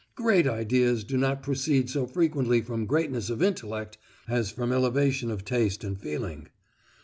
'Great ideas do not proceed so frequently from greatness of intellect, as from elevation of taste and feeling.